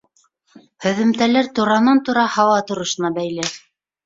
Һөҙөмтәләр туранан-тура һауа торошона бәйле.